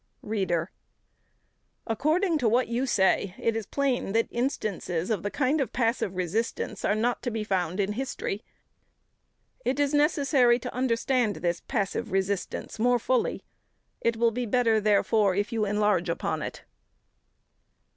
READER: According to what you say, it is plain that instances of the kind of passive resistance are not to be found in history. It is necessary to understand this passive resistance more fully. It will be better, therefore, if you enlarge upon it.